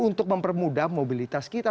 untuk mempermudah mobilitas kita